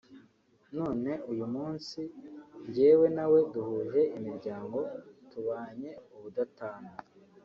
none uyu munsi njyewe na we duhuje imiryango tubanye ubudatana